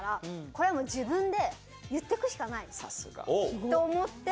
これはもう、自分で言っていくしかないなと思って。